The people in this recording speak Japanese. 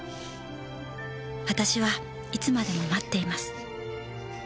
「私はいつまでも待っています」